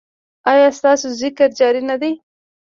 ایا ستاسو ذکر جاری نه دی؟